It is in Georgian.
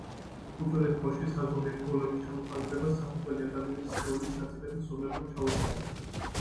უძველეს დროში საზომი ერთეულების ჩამოყალიბებას საფუძველი, ადამიანის სხეულის ნაწილების ზომებმა ჩაუყარა.